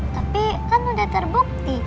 tapi kan udah terbukti